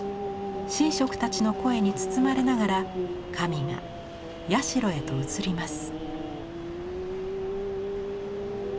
神職たちの声に包まれながら神が社へと遷ります。